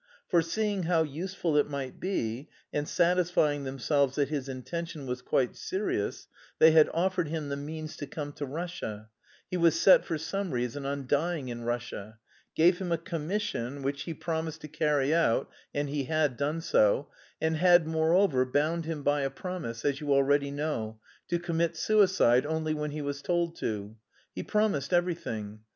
Foreseeing how useful it might be and satisfying themselves that his intention was quite serious, they had offered him the means to come to Russia (he was set for some reason on dying in Russia), gave him a commission which he promised to carry out (and he had done so), and had, moreover, bound him by a promise, as you already know, to commit suicide only when he was told to. He promised everything.